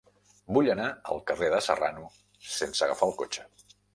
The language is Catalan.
Vull anar al carrer de Serrano sense agafar el cotxe.